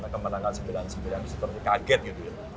karena kemenangan sembilan puluh sembilan seperti kaget gitu ya